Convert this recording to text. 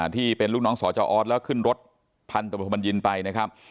ที่เป็นลูกน้องสอเจ้าออดแล้วขึ้นรถพันธุ์ประมาณยินไปนะครับ